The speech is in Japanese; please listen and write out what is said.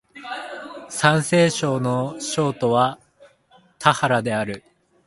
山西省の省都は太原である